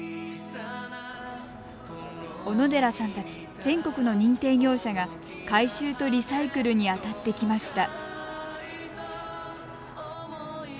小野寺さんたち全国の認定業者が回収とリサイクルにあたってきました。